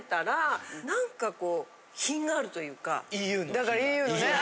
だからＥＵのね。